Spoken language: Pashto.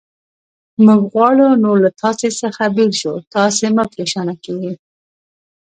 موږ غواړو نور له تاسې څخه بېل شو، تاسې مه پرېشانه کېږئ.